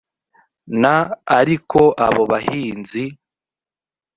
n ariko abo bahinzi